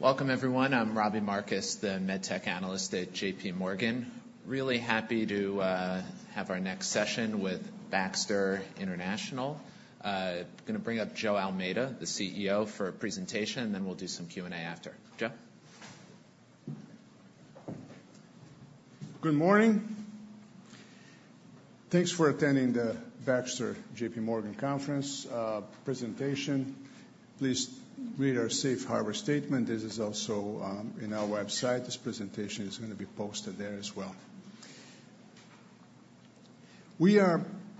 Welcome, everyone. I'm Robbie Marcus, the med tech analyst at JPMorgan. Really happy to have our next session with Baxter International. Gonna bring up Joe Almeida, the CEO, for a presentation, and then we'll do some Q&A after. Joe? Good morning. Thanks for attending the Baxter JPMorgan conference, presentation. Please read our safe harbor statement. This is also in our website. This presentation is gonna be posted there as well.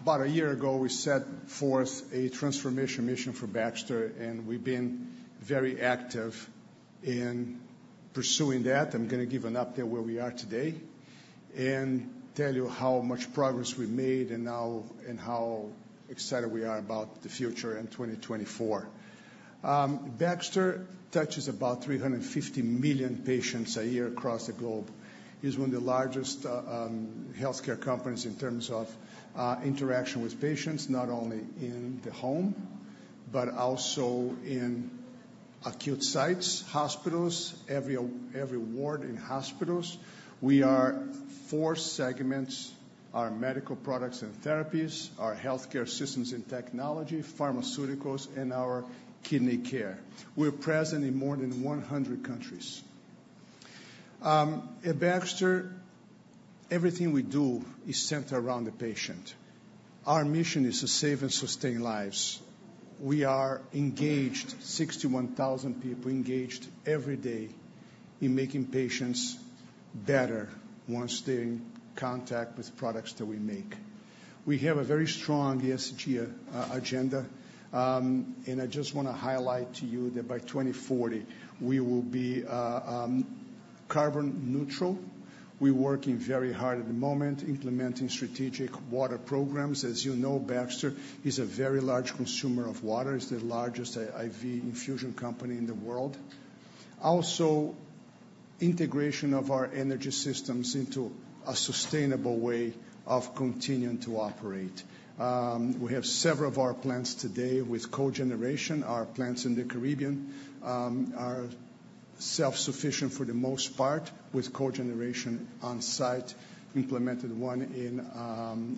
About a year ago, we set forth a transformation mission for Baxter, and we've been very active in pursuing that. I'm gonna give an update where we are today, and tell you how much progress we've made now, and how excited we are about the future in 2024. Baxter touches about 350 million patients a year across the globe. It's one of the largest healthcare companies in terms of interaction with patients, not only in the home, but also in acute sites, hospitals, every ward in hospitals. We are four segments: our Medical Products and Therapies, our Healthcare Systems and Technologies, Pharmaceuticals, and our Kidney Care. We're present in more than 100 countries. At Baxter, everything we do is centered around the patient. Our mission is to save and sustain lives. We are engaged, 61,000 people, engaged every day in making patients better once they're in contact with products that we make. We have a very strong ESG agenda, and I just wanna highlight to you that by 2040, we will be carbon neutral. We're working very hard at the moment, implementing strategic water programs. As you know, Baxter is a very large consumer of water. It's the largest IV infusion company in the world. Also, integration of our energy systems into a sustainable way of continuing to operate. We have several of our plants today with cogeneration. Our plants in the Caribbean are self-sufficient for the most part, with cogeneration on site, implemented one in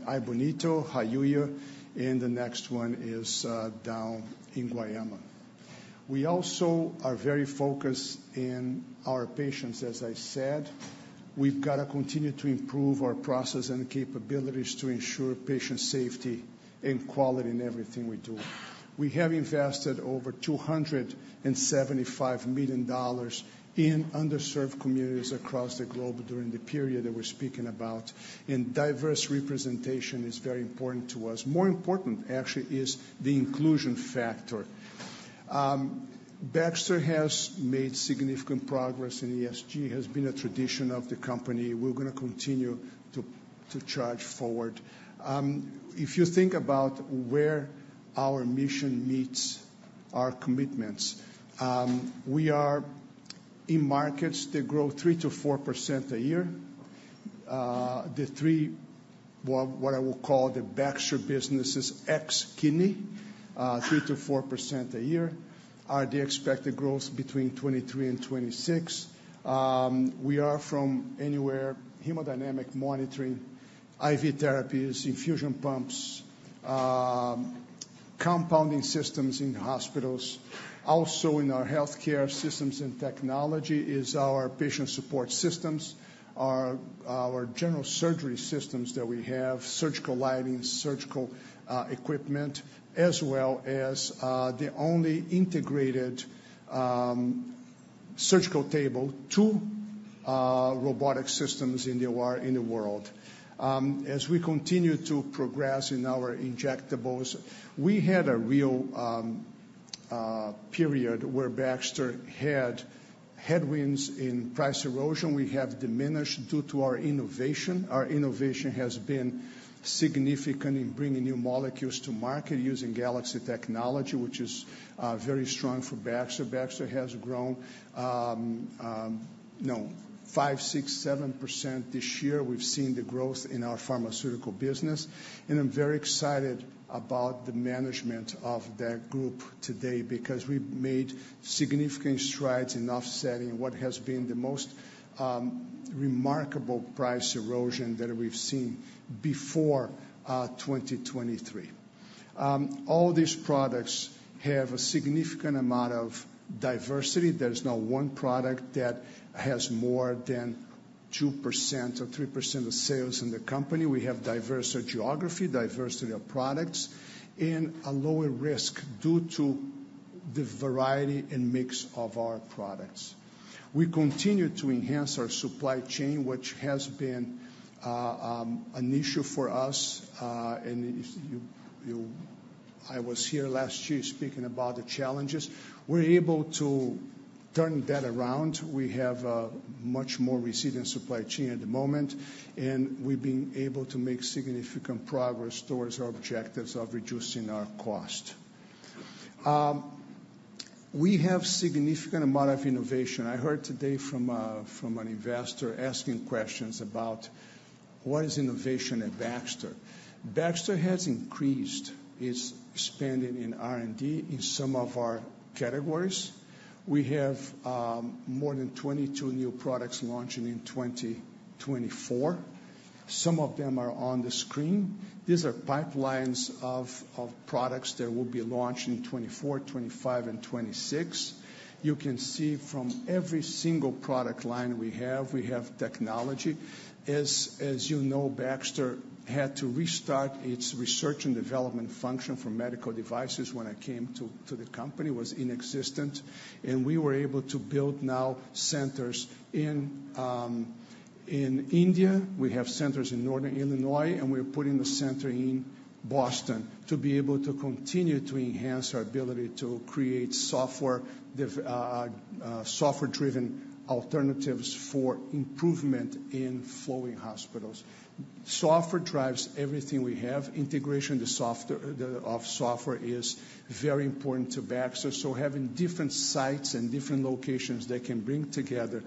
Aibonito, Jayuya, and the next one is down in Guayama. We also are very focused in our patients, as I said. We've got to continue to improve our process and capabilities to ensure patient safety and quality in everything we do. We have invested over $275 million in underserved communities across the globe during the period that we're speaking about, and diverse representation is very important to us. More important, actually, is the inclusion factor. Baxter has made significant progress, and ESG has been a tradition of the company. We're gonna continue to charge forward. If you think about where our mission meets our commitments, we are in markets that grow 3%-4% a year. The three... Well, what I will call the Baxter businesses, ex kidney, 3%-4% a year, are the expected growth between 2023 and 2026. We are from anywhere, hemodynamic monitoring, IV therapies, infusion pumps, compounding systems in hospitals. Also, in our Healthcare Systems and Technologies is our Patient Support Systems, our general surgery systems that we have, surgical lighting, surgical equipment, as well as the only integrated surgical table to robotic systems in the world. As we continue to progress in our injectables, we had a real period where Baxter had headwinds in price erosion. We have diminished due to our innovation. Our innovation has been significant in bringing new molecules to market using Galaxy technology, which is very strong for Baxter. Baxter has grown, you know, 5%, 6%, 7% this year. We've seen the growth in our pharmaceutical business, and I'm very excited about the management of that group today, because we've made significant strides in offsetting what has been the most remarkable price erosion that we've seen before 2023. All these products have a significant amount of diversity. There's no one product that has more than 2% or 3% of sales in the company. We have diversity of geography, diversity of products, and a lower risk due to the variety and mix of our products. We continue to enhance our supply chain, which has been an issue for us, and I was here last year speaking about the challenges. We're able to turn that around. We have a much more resilient supply chain at the moment, and we've been able to make significant progress towards our objectives of reducing our cost. We have significant amount of innovation. I heard today from an investor asking questions about what is innovation at Baxter? Baxter has increased its spending in R&D in some of our categories. We have more than 22 new products launching in 2024. Some of them are on the screen. These are pipelines of products that will be launched in 2024, 2025, and 2026. You can see from every single product line we have, we have technology. As you know, Baxter had to restart its research and development function for medical devices when I came to the company, it was inexistent, and we were able to build now centers in India. We have centers in Northern Illinois, and we're putting a center in Boston to be able to continue to enhance our ability to create software-driven alternatives for improvement in flowing hospitals. Software drives everything we have. Integration, the software, of software is very important to Baxter, so having different sites and different locations that can bring together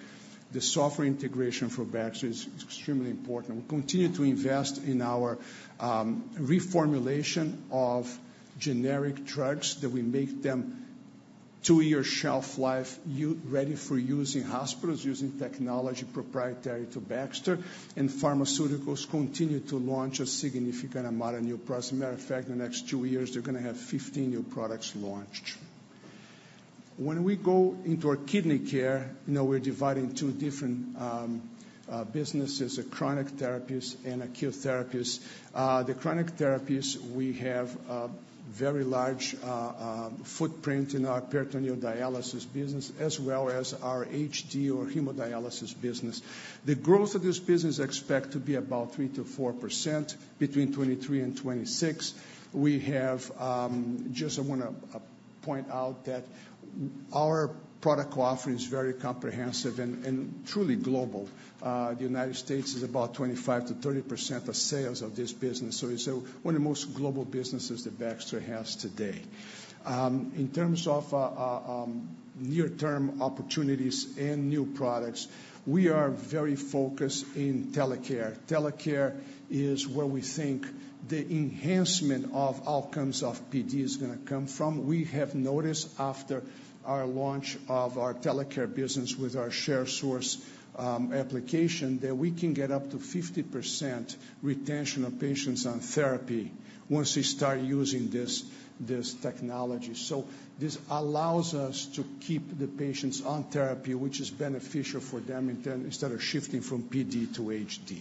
the software integration for Baxter is extremely important. We continue to invest in our reformulation of generic drugs, that we make them two-year shelf life, ready for use in hospitals using technology proprietary to Baxter, and pharmaceuticals continue to launch a significant amount of new products. Matter of fact, in the next two years, they're gonna have 15 new products launched. When we go into our Kidney Care, now we're divided in two different businesses: a Chronic Therapies and Acute Therapies. The chronic therapies, we have a very large footprint in our peritoneal dialysis business, as well as our HD or hemodialysis business. The growth of this business expect to be about 3%-4% between 2023 and 2026. Just I want to point out that our product offering is very comprehensive and truly global. The United States is about 25%-30% of sales of this business, so it's one of the most global businesses that Baxter has today. In terms of near-term opportunities and new products, we are very focused in telecare. Telecare is where we think the enhancement of outcomes of PD is gonna come from. We have noticed after our launch of our telecare business with our Sharesource application, that we can get up to 50% retention of patients on therapy once they start using this, this technology. So this allows us to keep the patients on therapy, which is beneficial for them, and then instead of shifting from PD to HD.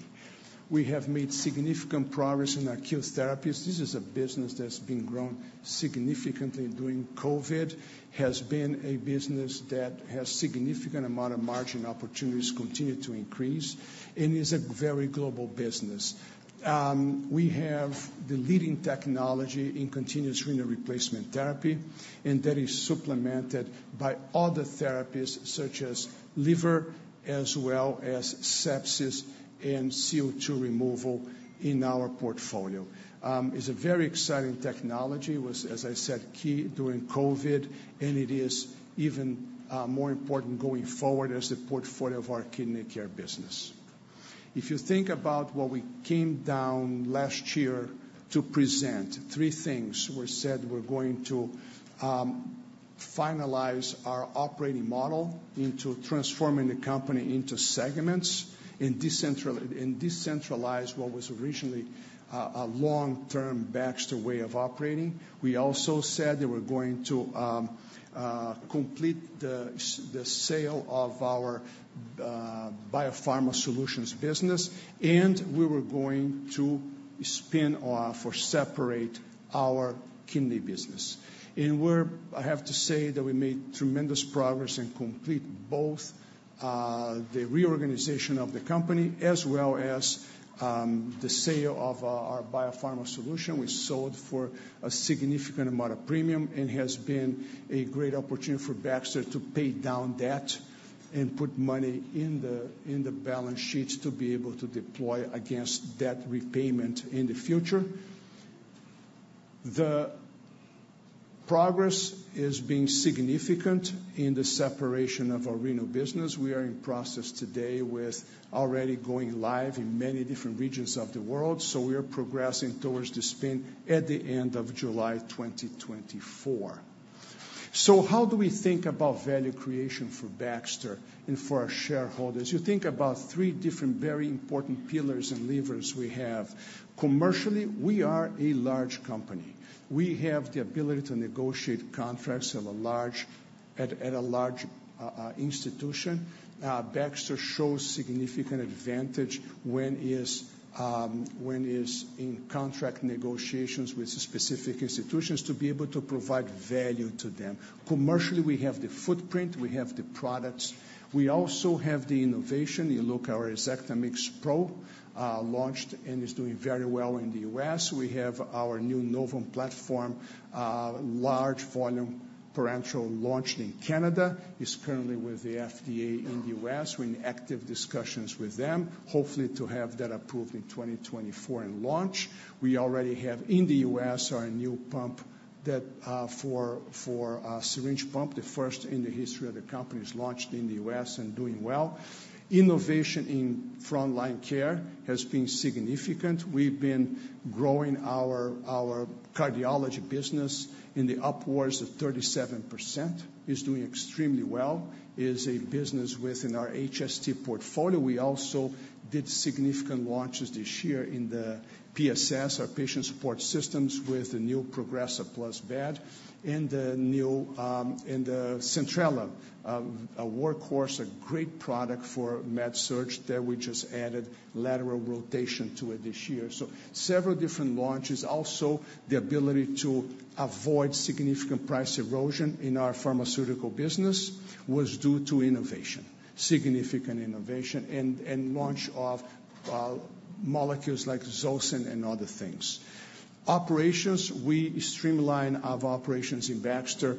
We have made significant progress in acute therapies. This is a business that's been grown significantly during COVID, has been a business that has significant amount of margin opportunities, continue to increase, and is a very global business. We have the leading technology in continuous renal replacement therapy, and that is supplemented by other therapies such as liver, as well as sepsis and CO2 removal in our portfolio. It's a very exciting technology, was, as I said, key during COVID, and it is even more important going forward as the portfolio of our Kidney Care business. If you think about what we came down last year to present, three things were said: We're going to finalize our operating model into transforming the company into segments and decentralize what was originally a long-term Baxter way of operating. We also said that we're going to complete the sale of our BioPharma Solutions business, and we were going to spin off or separate our kidney business. And we're. I have to say that we made tremendous progress in complete both the reorganization of the company, as well as the sale of our BioPharma Solutions. We sold for a significant amount of premium and has been a great opportunity for Baxter to pay down debt and put money in the balance sheets to be able to deploy against debt repayment in the future. The progress is being significant in the separation of our renal business. We are in process today with already going live in many different regions of the world, so we are progressing towards the spin at the end of July 2024. So how do we think about value creation for Baxter and for our shareholders? You think about three different, very important pillars and levers we have. Commercially, we are a large company. We have the ability to negotiate contracts at a large institution. Baxter shows significant advantage when it's in contract negotiations with specific institutions to be able to provide value to them. Commercially, we have the footprint, we have the products. We also have the innovation. You look our ExactaMix Pro, launched and is doing very well in the U.S. We have our new Novum platform, large volume parenteral, launched in Canada. It's currently with the FDA in the U.S. We're in active discussions with them, hopefully to have that approved in 2024 and launch. We already have in the U.S. our new pump, that for syringe pump, the first in the history of the company, is launched in the U.S. and doing well. Innovation in Front Line Care has been significant. We've been growing our cardiology business in the upwards of 37%. It's doing extremely well. It is a business within our HST portfolio. We also did significant launches this year in the PSS, our Patient Support Systems, with the new Progressa+ bed and the new and the Centrella, a workhorse, a great product for Med-Surg that we just added lateral rotation to it this year. So several different launches. Also, the ability to avoid significant price erosion in our pharmaceutical business was due to innovation, significant innovation, and launch of molecules like Zosyn and other things. Operations, we streamline our operations in Baxter.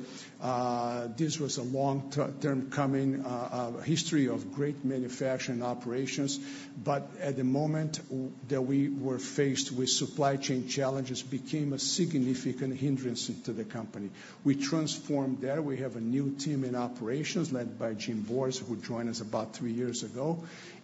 This was a long-term coming, history of great manufacturing operations, but at the moment that we were faced with supply chain challenges became a significant hindrance to the company. We transformed that. We have a new team in operations led by James Borzi, who joined us about three years ago.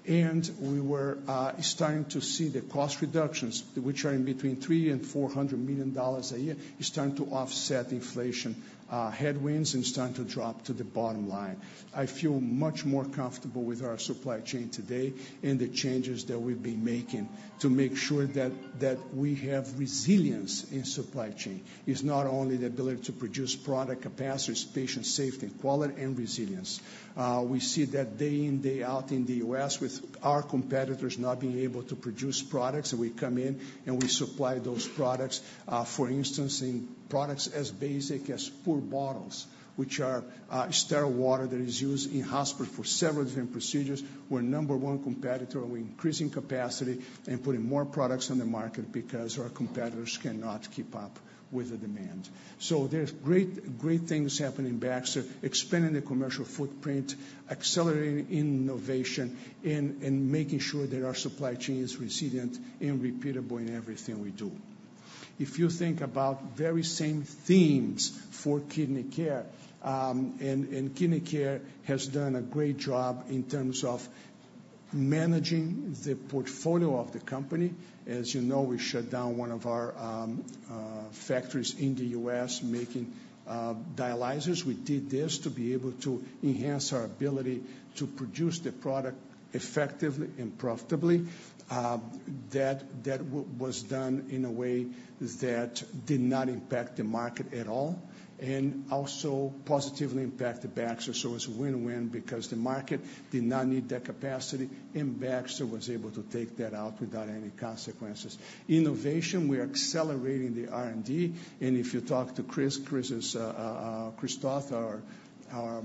And we were starting to see the cost reductions, which are in between $300 million-$400 million a year, is starting to offset inflation headwinds and starting to drop to the bottom line. I feel much more comfortable with our supply chain today and the changes that we've been making to make sure that we have resilience in supply chain. It's not only the ability to produce product capacity, it's patient safety, quality, and resilience. We see that day in, day out in the U.S., with our competitors not being able to produce products, and we come in and we supply those products. For instance, in products as basic as IV bottles, which are sterile water that is used in hospitals for several different procedures. We're number one competitor. We're increasing capacity and putting more products on the market because our competitors cannot keep up with the demand. So there's great, great things happening in Baxter. Expanding the commercial footprint, accelerating innovation, and making sure that our supply chain is resilient and repeatable in everything we do. If you think about very same themes for Kidney Care, and Kidney Care has done a great job in terms of managing the portfolio of the company. As you know, we shut down one of our factories in the U.S. making dialyzers. We did this to be able to enhance our ability to produce the product effectively and profitably. That was done in a way that did not impact the market at all, and also positively impacted Baxter. So it's a win-win because the market did not need that capacity, and Baxter was able to take that out without any consequences. Innovation, we are accelerating the R&D, and if you talk to Chris, Chris is, Chris Toth, our, our,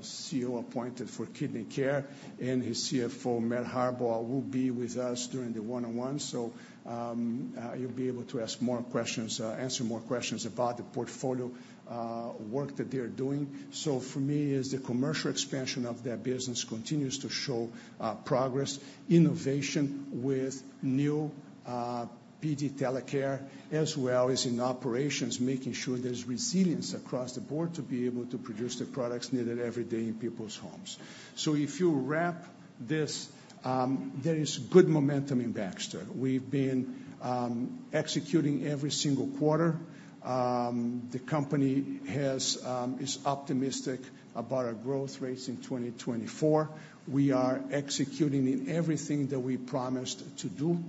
CEO appointed for Kidney Care, and his CFO, Matt Harbaugh, will be with us during the one-on-one. So, you'll be able to ask more questions, answer more questions about the portfolio, work that they are doing. So for me, as the commercial expansion of that business continues to show, progress, innovation with new, PD Telecare, as well as in operations, making sure there's resilience across the board to be able to produce the products needed every day in people's homes. So if you wrap this, there is good momentum in Baxter. We've been, executing every single quarter. The company is optimistic about our growth rates in 2024. We are executing in everything that we promised to do.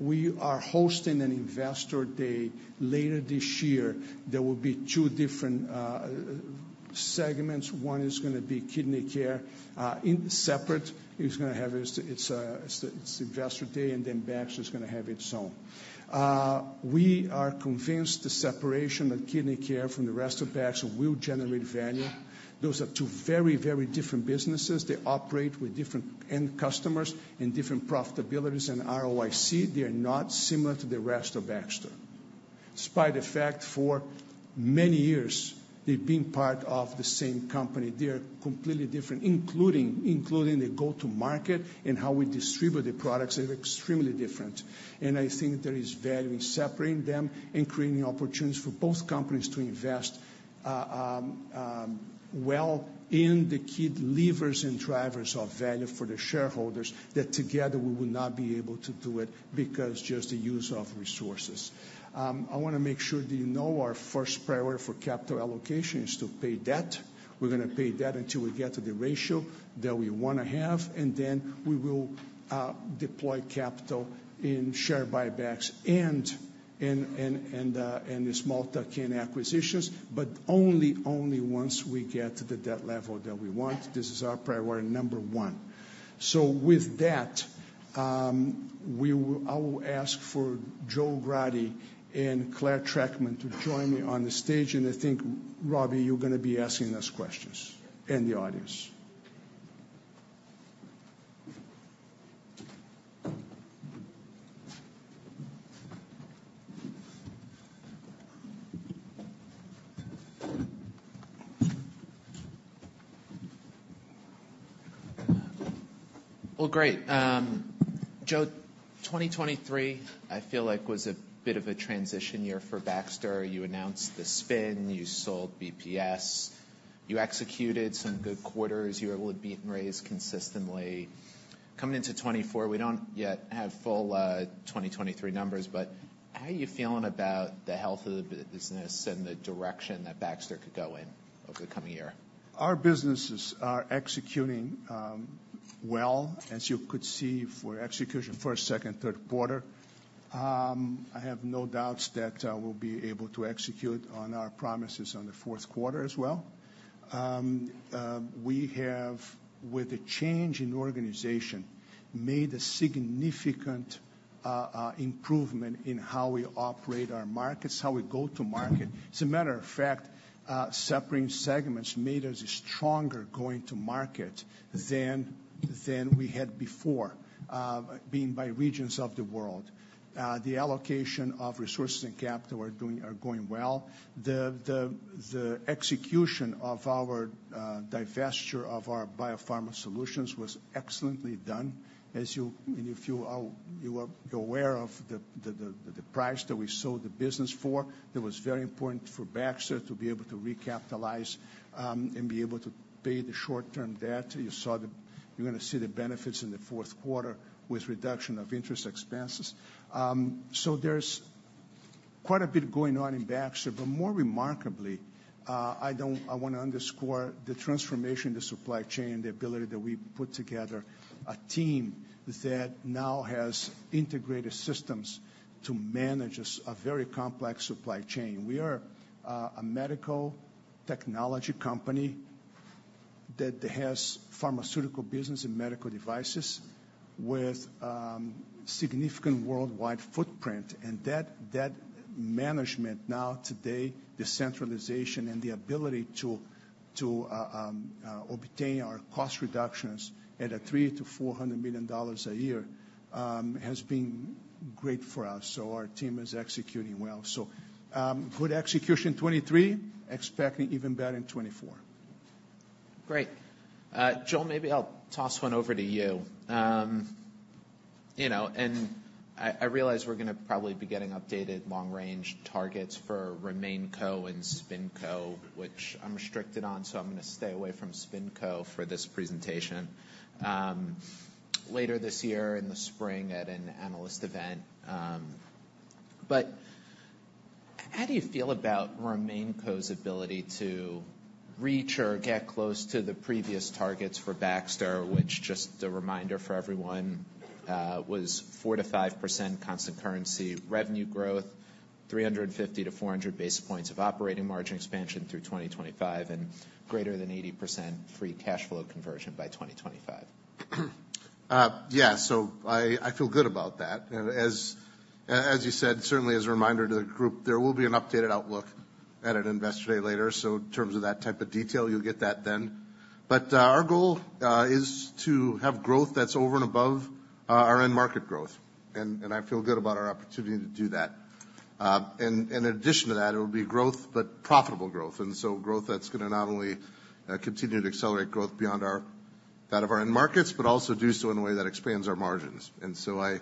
We are hosting an investor day later this year. There will be two different segments. One is gonna be Kidney Care in separate. It's gonna have its investor day, and then Baxter is gonna have its own. We are convinced the separation of Kidney Care from the rest of Baxter will generate value. Those are two very, very different businesses. They operate with different end customers and different profitabilities and ROIC. They are not similar to the rest of Baxter. Despite the fact, for many years, they've been part of the same company, they are completely different, including the go-to market and how we distribute the products. They're extremely different, and I think there is value in separating them and creating opportunities for both companies to invest well in the key levers and drivers of value for the shareholders, that together we will not be able to do it because just the use of resources. I wanna make sure that you know our first priority for capital allocation is to pay debt. We're gonna pay debt until we get to the ratio that we wanna have, and then we will deploy capital in share buybacks and in the small tuck-in acquisitions, but only once we get to the debt level that we want. This is our priority number one. So with that, we will... I will ask for Joel Grade and Clare Trachtman to join me on the stage. I think, Robbie, you're gonna be asking us questions and the audience.... Well, great. Joe, 2023, I feel like was a bit of a transition year for Baxter. You announced the spin, you sold BPS, you executed some good quarters, you were able to beat and raise consistently. Coming into 2024, we don't yet have full, 2023 numbers, but how are you feeling about the health of the business and the direction that Baxter could go in over the coming year? Our businesses are executing well, as you could see, for execution for second, third quarter. I have no doubts that we'll be able to execute on our promises on the fourth quarter as well. We have, with the change in organization, made a significant improvement in how we operate our markets, how we go to market. As a matter of fact, separating segments made us stronger going to market than we had before, being by regions of the world. The allocation of resources and capital are going well. The execution of our divestiture of our BioPharma Solutions was excellently done. As you and if you are aware of the price that we sold the business for, it was very important for Baxter to be able to recapitalize and be able to pay the short-term debt. You're gonna see the benefits in the fourth quarter with reduction of interest expenses. So there's quite a bit going on in Baxter, but more remarkably, I wanna underscore the transformation, the supply chain, the ability that we put together a team that now has integrated systems to manage a very complex supply chain. We are a medical technology company that has pharmaceutical business and medical devices with significant worldwide footprint, and that management now today, the centralization and the ability to obtain our cost reductions at a $300 million-$400 million a year, has been great for us. So our team is executing well. So good execution, 2023, expecting even better in 2024. Great. Joel, maybe I'll toss one over to you. You know, and I, I realize we're gonna probably be getting updated long-range targets for RemainCo and SpinCo, which I'm restricted on, so I'm gonna stay away from SpinCo for this presentation, later this year in the spring at an analyst event. But how do you feel about RemainCo's ability to reach or get close to the previous targets for Baxter, which just a reminder for everyone, was 4%-5% constant currency, revenue growth, 350-400 basis points of operating margin expansion through 2025, and greater than 80% free cash flow conversion by 2025? Yeah, so I feel good about that. And as you said, certainly as a reminder to the group, there will be an updated outlook at an Investor Day later. So in terms of that type of detail, you'll get that then. But our goal is to have growth that's over and above our end market growth, and I feel good about our opportunity to do that. And in addition to that, it will be growth, but profitable growth, and so growth that's gonna not only continue to accelerate growth beyond that of our end markets, but also do so in a way that expands our margins. And so I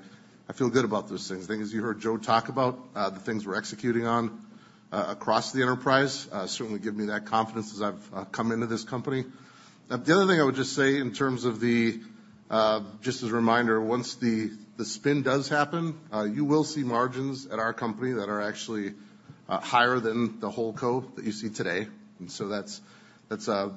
feel good about those things. Things as you heard Joe talk about, the things we're executing on, across the enterprise, certainly give me that confidence as I've come into this company. The other thing I would just say in terms of the... Just as a reminder, once the, the spin does happen, you will see margins at our company that are actually higher than the WholeCo that you see today. And so that's, that's, it's an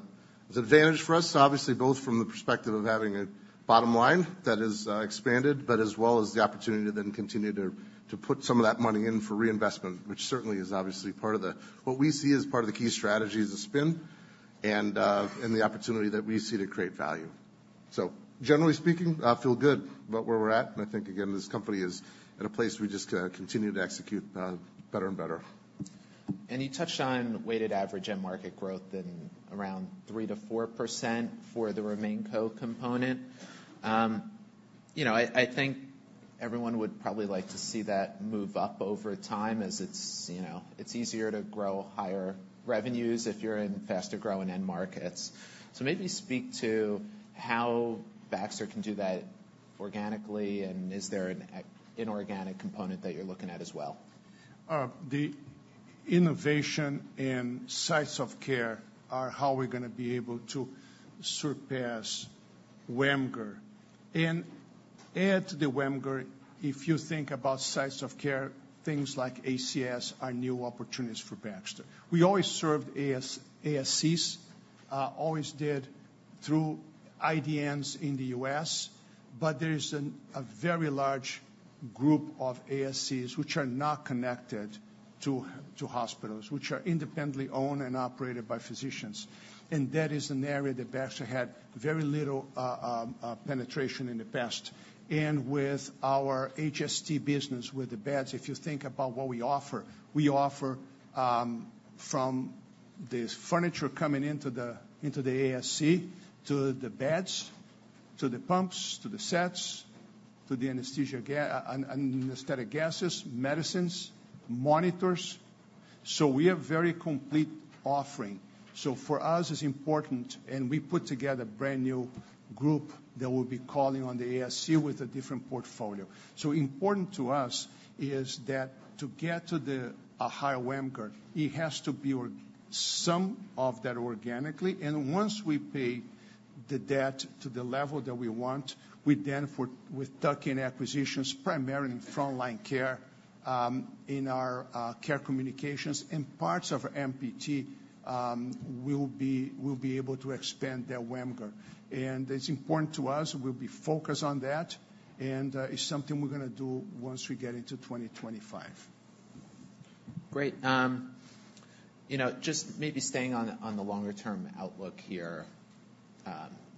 advantage for us, obviously, both from the perspective of having a bottom line that is expanded, but as well as the opportunity to then continue to, to put some of that money in for reinvestment, which certainly is obviously part of the what we see as part of the key strategy is the spin and, and the opportunity that we see to create value. Generally speaking, I feel good about where we're at, and I think, again, this company is at a place we just continue to execute better and better. You touched on weighted average end market growth in around 3%-4% for the RemainCo component. You know, I think everyone would probably like to see that move up over time as it's, you know, it's easier to grow higher revenues if you're in faster growing end markets. So maybe speak to how Baxter can do that organically, and is there an inorganic component that you're looking at as well? The innovation and sites of care are how we're gonna be able to surpass WAMGR. Add to the WAMGR, if you think about sites of care, things like ASC are new opportunities for Baxter. We always served ASCs, always did through IDNs in the U.S., but there is a very large group of ASCs which are not connected to hospitals, which are independently owned and operated by physicians, and that is an area that Baxter had very little penetration in the past. And with our HST business, with the beds, if you think about what we offer, we offer from this furniture coming into the ASC, to the beds, to the pumps, to the sets, to the anesthesia anesthetic gases, medicines, monitors. So we have very complete offering. So for us, it's important, and we put together a brand-new group that will be calling on the ASC with a different portfolio. So important to us is that to get to a higher WAMGR, it has to be some of that organically, and once we pay the debt to the level that we want, we then with tuck-in acquisitions, primarily in Front line Care, in our Care Communications and parts of MPT, we'll be, we'll be able to expand the WAMGR. And it's important to us, we'll be focused on that, and it's something we're gonna do once we get into 2025. Great. You know, just maybe staying on the longer-term outlook here,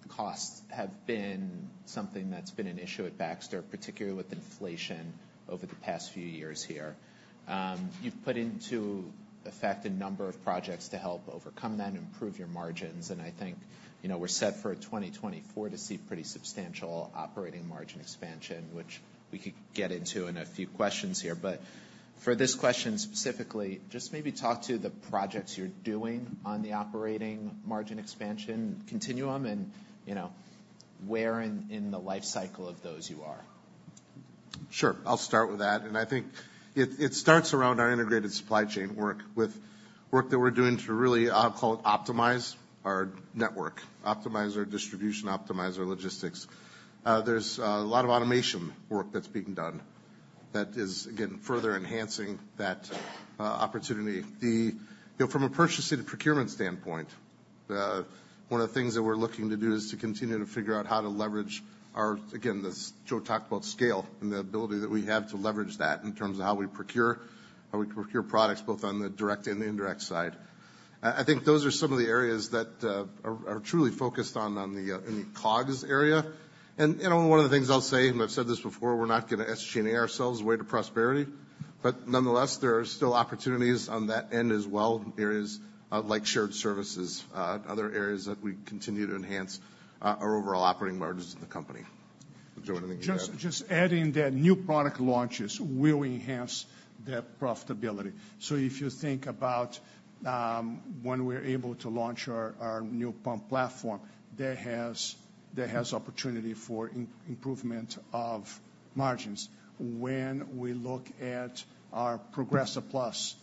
costs have been something that's been an issue at Baxter, particularly with inflation over the past few years here. You've put into effect a number of projects to help overcome that, improve your margins, and I think, you know, we're set for 2024 to see pretty substantial operating margin expansion, which we could get into in a few questions here. But for this question, specifically, just maybe talk to the projects you're doing on the operating margin expansion continuum, and, you know, where in the life cycle of those you are. Sure, I'll start with that. And I think it starts around our integrated supply chain work, with work that we're doing to really call it optimize our network, optimize our distribution, optimize our logistics. There's a lot of automation work that's being done that is again further enhancing that opportunity. You know, from a purchasing and procurement standpoint, one of the things that we're looking to do is to continue to figure out how to leverage our again this Joe talked about scale and the ability that we have to leverage that in terms of how we procure how we procure products both on the direct and the indirect side. I think those are some of the areas that are truly focused on on the in the COGS area. One of the things I'll say, and I've said this before, we're not going to SG&A ourselves away to prosperity, but nonetheless, there are still opportunities on that end as well, areas like shared services, other areas that we continue to enhance our overall operating margins in the company. Joe, anything you want to add? Just adding that new product launches will enhance that profitability. So if you think about when we're able to launch our new pump platform, that has opportunity for improvement of margins. When we look at our Progressa+,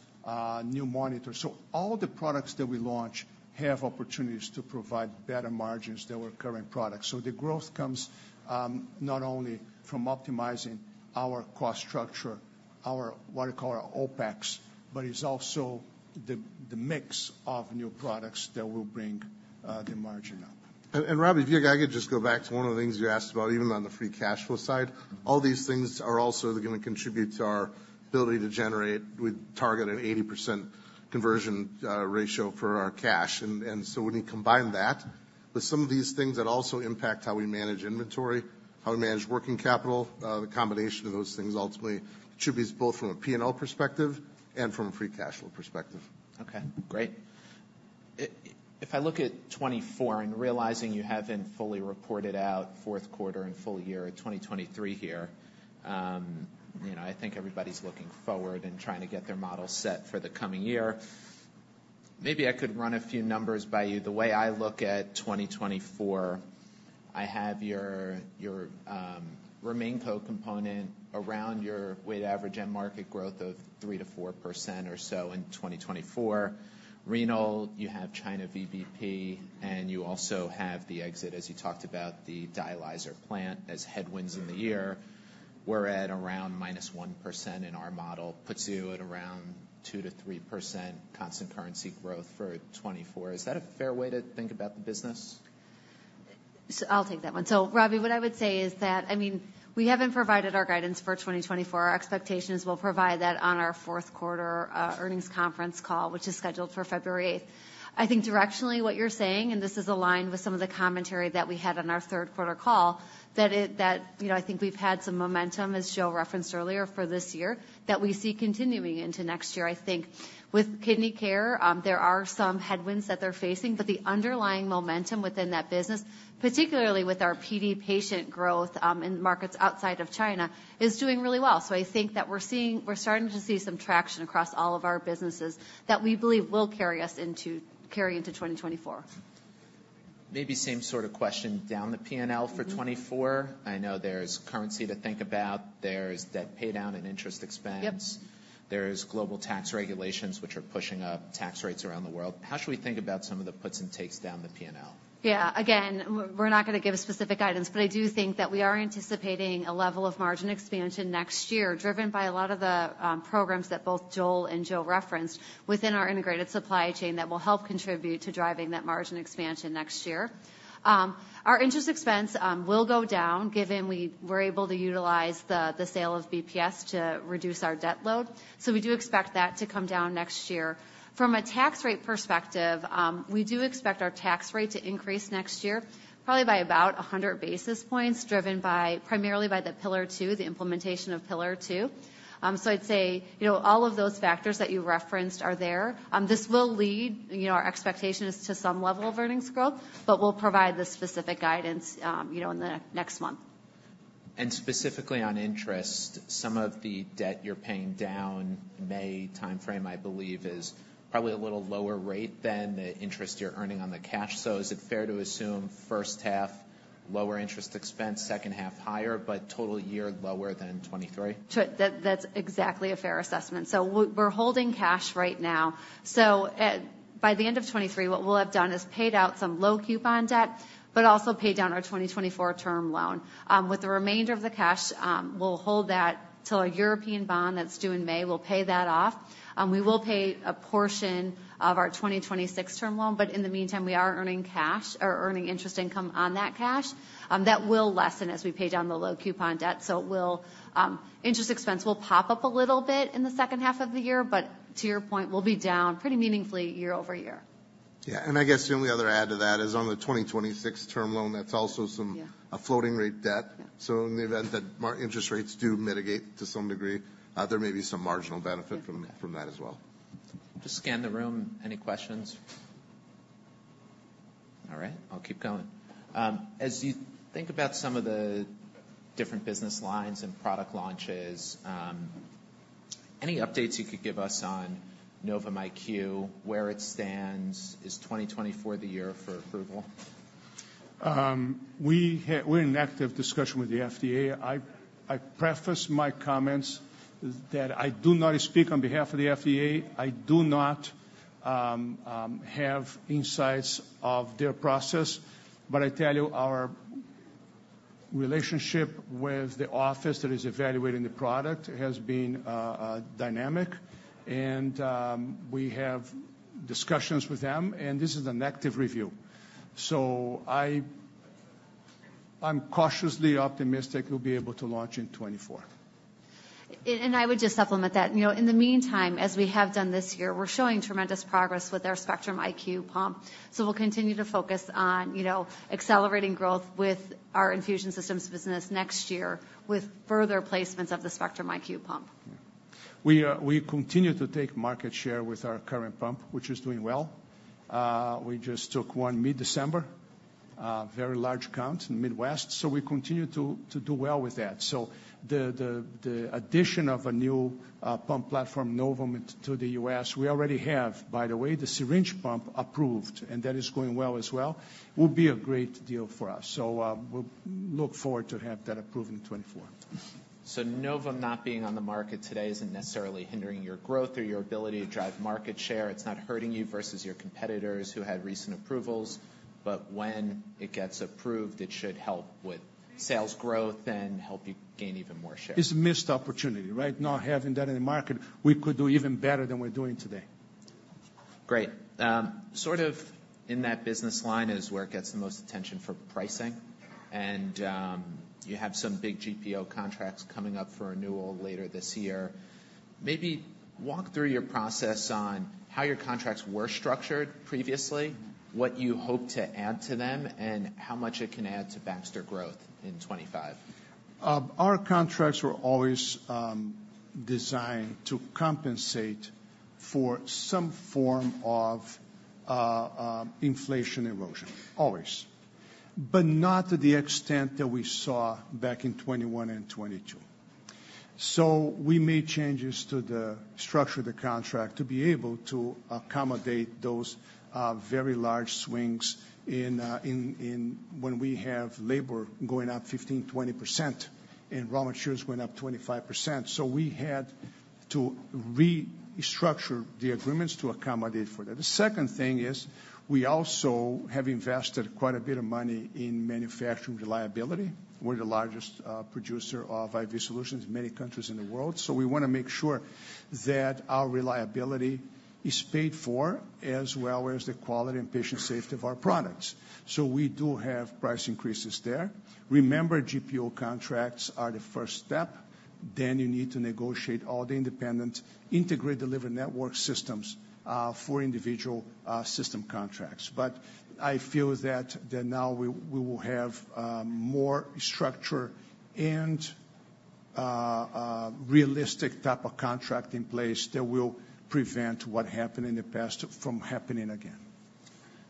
new monitor. So all the products that we launch have opportunities to provide better margins than our current products. So the growth comes not only from optimizing our cost structure, our what I call our OpEx, but it's also the mix of new products that will bring the margin up. Robbie, if you—I could just go back to one of the things you asked about, even on the free cash flow side. All these things are also going to contribute to our ability to generate... We target an 80% conversion ratio for our cash. And so when you combine that with some of these things that also impact how we manage inventory, how we manage working capital, the combination of those things ultimately attributes both from a P&L perspective and from a free cash flow perspective. Okay, great. If I look at 2024 and realizing you haven't fully reported out fourth quarter and full year of 2023 here, you know, I think everybody's looking forward and trying to get their model set for the coming year. Maybe I could run a few numbers by you. The way I look at 2024, I have your, your, Remainco component around your weighted average end market growth of 3%-4% or so in 2024. Renal, you have China VBP, and you also have the exit, as you talked about, the dialyzer plant as headwinds in the year. We're at around -1% in our model, puts you at around 2%-3% constant currency growth for 2024. Is that a fair way to think about the business? So I'll take that one. So, Robbie, what I would say is that, I mean, we haven't provided our guidance for 2024. Our expectations, we'll provide that on our fourth quarter earnings conference call, which is scheduled for February eighth. I think directionally, what you're saying, and this is aligned with some of the commentary that we had on our third quarter call, that it-- that, you know, I think we've had some momentum, as Joe referenced earlier, for this year, that we see continuing into next year. I think with kidney care, there are some headwinds that they're facing, but the underlying momentum within that business, particularly with our PD patient growth, in markets outside of China, is doing really well. I think that we're starting to see some traction across all of our businesses that we believe will carry us into 2024. Maybe same sort of question down the P&L for 2024? Mm-hmm. I know there's currency to think about. There's debt paydown and interest expense. Yep. There's global tax regulations, which are pushing up tax rates around the world. How should we think about some of the puts and takes down the P&L? Yeah. Again, we're not going to give specific guidance, but I do think that we are anticipating a level of margin expansion next year, driven by a lot of the programs that both Joel and Joe referenced within our integrated supply chain, that will help contribute to driving that margin expansion next year. Our interest expense will go down, given we were able to utilize the sale of BPS to reduce our debt load. So we do expect that to come down next year. From a tax rate perspective, we do expect our tax rate to increase next year, probably by about 100 basis points, driven by, primarily by the Pillar Two, the implementation of Pillar Two. So I'd say, you know, all of those factors that you referenced are there. This will lead, you know, our expectations to some level of earnings growth, but we'll provide the specific guidance, you know, in the next month.... Specifically on interest, some of the debt you're paying down, May timeframe, I believe, is probably a little lower rate than the interest you're earning on the cash. So is it fair to assume first half, lower interest expense, second half higher, but total year lower than 2023? That's exactly a fair assessment. We're holding cash right now. By the end of 2023, what we'll have done is paid out some low coupon debt, but also paid down our 2024 term loan. With the remainder of the cash, we'll hold that till our European bond that's due in May. We'll pay that off. We will pay a portion of our 2026 term loan, but in the meantime, we are earning cash or earning interest income on that cash. That will lessen as we pay down the low coupon debt, so it will, interest expense will pop up a little bit in the second half of the year, but to your point, we'll be down pretty meaningfully year-over-year. Yeah, and I guess the only other add to that is on the 2026 term loan, that's also some- Yeah ... a floating rate debt. Yeah. So in the event that interest rates do mitigate to some degree, there may be some marginal benefit- Yeah from that as well. Just scan the room. Any questions? All right, I'll keep going. As you think about some of the different business lines and product launches, any updates you could give us on Novum IQ, where it stands? Is 2024 the year for approval? We're in active discussion with the FDA. I preface my comments that I do not speak on behalf of the FDA. I do not have insights of their process. But I tell you, our relationship with the office that is evaluating the product has been dynamic, and we have discussions with them, and this is an active review. So I'm cautiously optimistic we'll be able to launch in 2024. And I would just supplement that. You know, in the meantime, as we have done this year, we're showing tremendous progress with our Spectrum IQ pump. So we'll continue to focus on, you know, accelerating growth with our infusion systems business next year, with further placements of the Spectrum IQ pump. We continue to take market share with our current pump, which is doing well. We just took one mid-December, very large account in the Midwest, so we continue to do well with that. So the addition of a new pump platform, Novum, to the U.S., we already have, by the way, the syringe pump approved, and that is going well as well. Will be a great deal for us. So, we'll look forward to have that approved in 2024. Novum not being on the market today isn't necessarily hindering your growth or your ability to drive market share. It's not hurting you versus your competitors who had recent approvals, but when it gets approved, it should help with sales growth and help you gain even more share. It's a missed opportunity, right? Not having that in the market, we could do even better than we're doing today. Great. Sort of in that business line is where it gets the most attention for pricing, and, you have some big GPO contracts coming up for renewal later this year. Maybe walk through your process on how your contracts were structured previously, what you hope to add to them, and how much it can add to Baxter growth in 25? Our contracts were always, designed to compensate for some form of, inflation erosion, always, but not to the extent that we saw back in 2021 and 2022. So we made changes to the structure of the contract to be able to accommodate those, very large swings in... When we have labor going up 15%-20% and raw materials went up 25%. So we had to restructure the agreements to accommodate for that. The second thing is, we also have invested quite a bit of money in manufacturing reliability. We're the largest, producer of IV solutions in many countries in the world, so we wanna make sure that our reliability is paid for, as well as the quality and patient safety of our products. So we do have price increases there. Remember, GPO contracts are the first step, then you need to negotiate all the independent integrated delivery network systems for individual system contracts. But I feel that now we will have more structure and a realistic type of contract in place that will prevent what happened in the past from happening again.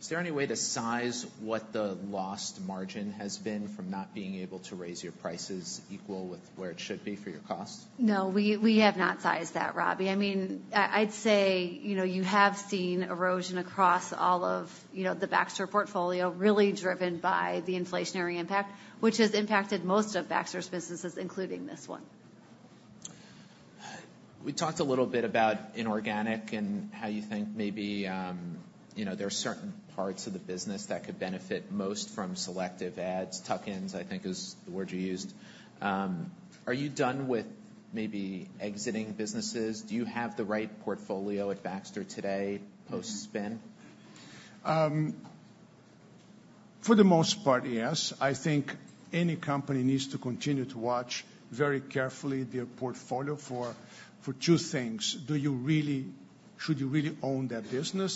Is there any way to size what the lost margin has been from not being able to raise your prices equal with where it should be for your costs? No, we have not sized that, Robbie. I mean, I'd say, you know, you have seen erosion across all of, you know, the Baxter portfolio, really driven by the inflationary impact, which has impacted most of Baxter's businesses, including this one. We talked a little bit about inorganic and how you think maybe, you know, there are certain parts of the business that could benefit most from selective ads. Tuck-ins, I think, is the word you used. Are you done with maybe exiting businesses? Do you have the right portfolio at Baxter today, post-spin? For the most part, yes. I think any company needs to continue to watch very carefully their portfolio for two things: Should you really own that business?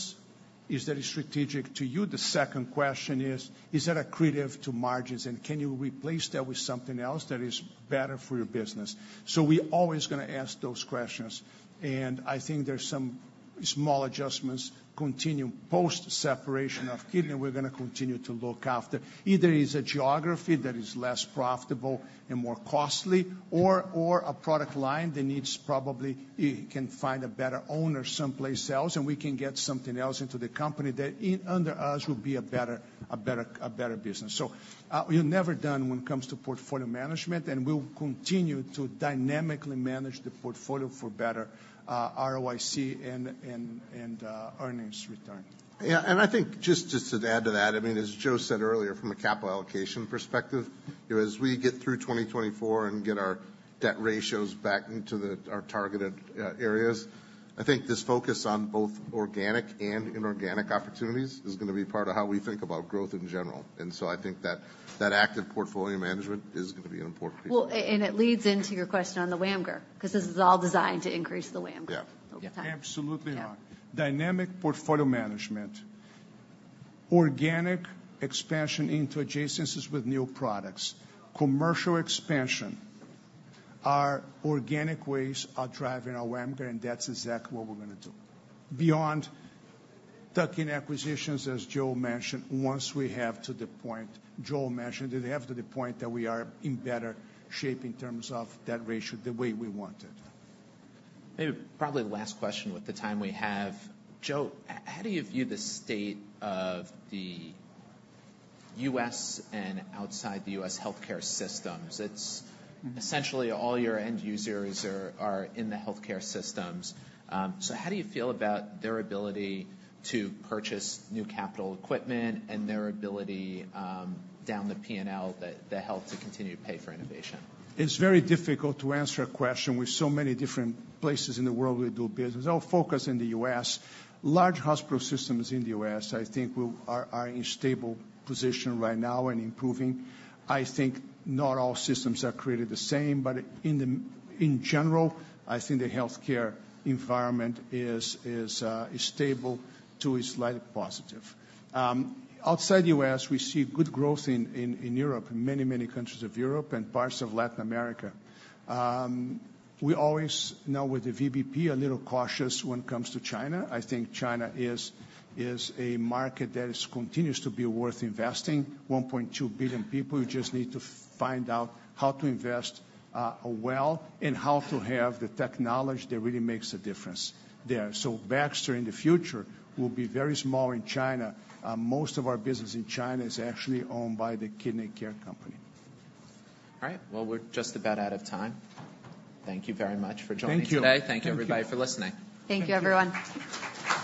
Is that strategic to you? The second question is: Is that accretive to margins, and can you replace that with something else that is better for your business? So we always gonna ask those questions, and I think there's some small adjustments continue post-separation of kidney. We're gonna continue to look after. Either it's a geography that is less profitable and more costly, or a product line that needs probably it can find a better owner someplace else, and we can get something else into the company that under us will be a better business. So, we're never done when it comes to portfolio management, and we'll continue to dynamically manage the portfolio for better ROIC and earnings return. Yeah, and I think just to add to that, I mean, as Joe said earlier, from a capital allocation perspective, you know, as we get through 2024 and get our debt ratios back into our targeted areas, I think this focus on both organic and inorganic opportunities is gonna be part of how we think about growth in general. And so I think that that active portfolio management is gonna be an important piece. Well, and it leads into your question on the WAMGR, because this is all designed to increase the WAMGR. Yeah. Absolutely right. Yeah. Dynamic portfolio management, organic expansion into adjacencies with new products, commercial expansion are organic ways driving our WAMGR, and that's exactly what we're gonna do. Beyond tuck-in acquisitions, as Joe mentioned, once we get to the point that we are in better shape in terms of debt ratio, the way we want it. Maybe probably the last question with the time we have. Joe, how do you view the state of the U.S. and outside the U.S. healthcare systems? It's- Mm. Essentially all your end users are in the healthcare systems. So how do you feel about their ability to purchase new capital equipment and their ability down the PNL, that help to continue to pay for innovation? It's very difficult to answer a question with so many different places in the world we do business. I'll focus in the U.S. Large hospital systems in the U.S., I think we are in stable position right now and improving. I think not all systems are created the same, but in general, I think the healthcare environment is stable to a slight positive. Outside U.S., we see good growth in Europe, in many, many countries of Europe and parts of Latin America. We always, now with the VBP, a little cautious when it comes to China. I think China is a market that continues to be worth investing. 1.2 billion people, we just need to find out how to invest well, and how to have the technology that really makes a difference there. So Baxter in the future will be very small in China. Most of our business in China is actually owned by the Kidney Care company. All right. Well, we're just about out of time. Thank you very much for joining us today. Thank you. Thank you, everybody, for listening. Thank you, everyone.